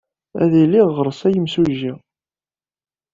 Ad iliɣ ɣer-s a imsujji.